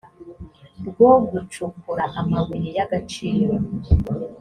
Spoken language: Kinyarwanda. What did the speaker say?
rwo gucukura amabuye y agaciro